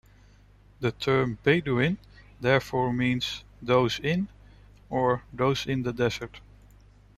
The term "Bedouin" therefore means "those in '" or "those in the desert".